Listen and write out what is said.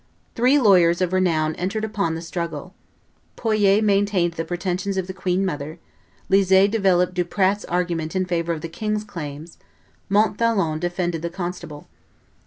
Three lawyers of renown entered upon the struggle. Poyet maintained the pretensions of the queen mother; Lizet developed Duprat's argument in favor of the king's claims; Montholon defended the constable.